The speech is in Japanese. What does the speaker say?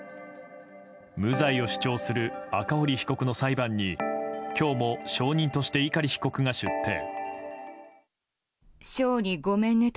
無罪を主張する赤堀被告の裁判に今日も証人として碇被告が出廷。